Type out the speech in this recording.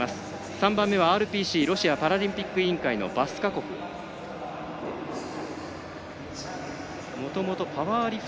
３番目はＲＰＣ＝ロシアパラリンピック委員会のバスカコフ。